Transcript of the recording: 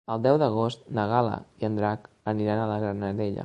El deu d'agost na Gal·la i en Drac aniran a la Granadella.